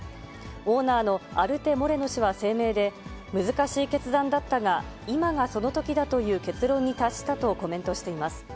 オーナーのアルテ・モレノ氏は声明で、難しい決断だったが、今がその時だという結論に達したとコメントしています。